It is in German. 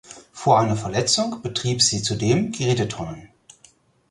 Vor einer Verletzung betrieb sie zudem Geräteturnen.